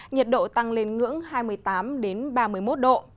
nhiệt độ tăng lên ngưỡng hai mươi tám ba mươi một độ